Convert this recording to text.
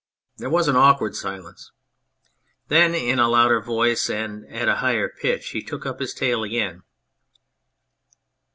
There was an awkward silence. Then in a louder 108 The Canvasser voice and at a higher pitch he took up his tale again.